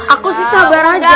aku sih sabar aja